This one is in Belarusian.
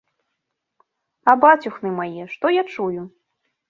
А бацюхны мае, што я чую?